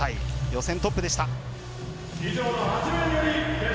予選トップでした。